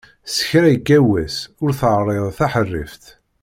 S kra yekka wass ur teɛriḍ taḥerrift.